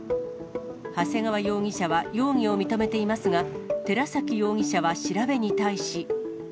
長谷川容疑者は容疑を認めていますが、寺崎容疑者は調べに対し。